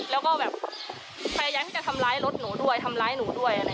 แล้วก็แบบพยายามที่จะทำร้ายรถหนูด้วยทำร้ายหนูด้วย